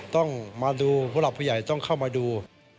ต้องมาดูผู้หลักผู้ใหญ่ต้องเข้ามาดู